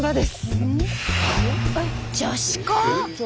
女子校？